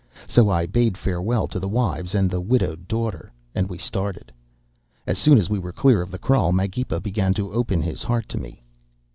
So I bade farewell to the wives and the widowed daughter, and we started. "As soon as we were clear of the kraal Magepa began to open his heart to me.